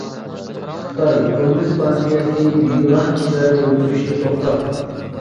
خىتاي كوممۇنىست پارتىيەسى بىگۇناھ كىشىلەرنى ئۆلتۈرۈشنى توختات!